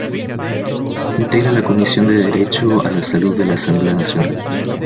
Integra la Comisión de Derecho a la Salud de la Asamblea Nacional.